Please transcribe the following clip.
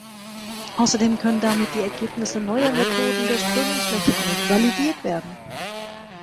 Außerdem können damit die Ergebnisse neuer Methoden der Strömungsmechanik validiert werden.